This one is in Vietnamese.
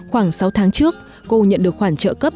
khoảng sáu tháng trước cô nhận được khó khăn